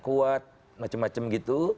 kuat macem macem gitu